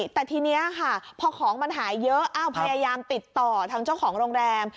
แต่ทีนี้ค่ะพอของมันหายเยอะพยายามติดต่อทางเจ้าของโรงแรม